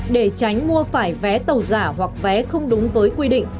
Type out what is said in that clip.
để tránh mua phải vé tàu giả hoặc vé không đúng với quy định